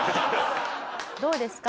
どうですか？